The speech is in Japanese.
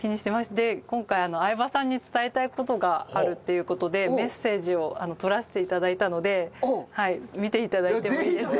で今回相葉さんに伝えたい事があるっていう事でメッセージをとらせて頂いたので見て頂いてもいいですか？